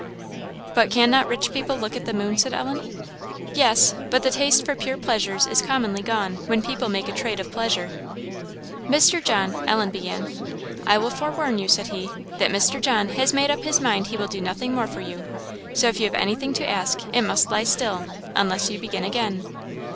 "But can not rich people look at the moon?" said Ellen. "Yes, but the taste for pure pleasures is commonly gone, when people make a trade of pleasure." "Mr. John" Ellen began. "I will forewarn you," said he, "that Mr. John has made up his mind he will do nothing more for you. So if you have anything to ask, it must lie still unless you will begin again."